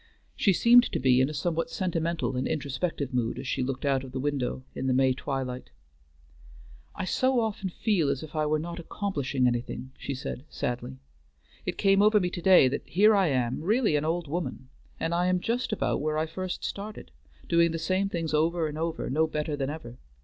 She seemed to be in a somewhat sentimental and introspective mood as she looked out of the window in the May twilight. "I so often feel as if I were not accomplishing anything," she said sadly. "It came over me to day that here I am, really an old woman, and I am just about where I first started, doing the same things over and over and no better than ever.